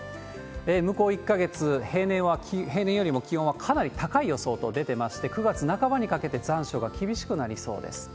向こう１か月、平年よりも気温はかなり高い予想と出てまして、９月半ばにかけて残暑が厳しくなりそうです。